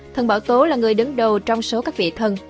thần bảo tố là người đứng đầu trong số các vị thần